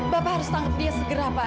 bapak harus tangkap dia segera pak